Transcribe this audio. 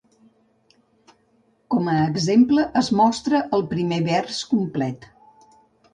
Com a exemple, es mostra el primer vers complet.